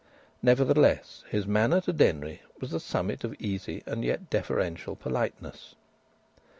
Nevertheless, his manner to Denry was the summit of easy and yet deferential politeness.